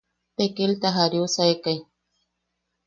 Tekilta jariusekai.